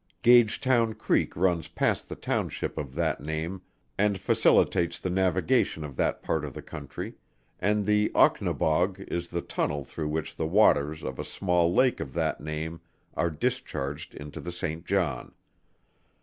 Gagetown Creek runs past the Township of that name, and facilitates the navigation of that part of the country, and the Ocnabog is the tunnel through which the waters of a small lake of that name are discharged into the Saint John.